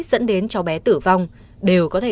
dẫn đến cháu bé tử vong đều có thể